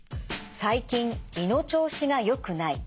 最近胃の調子がよくない。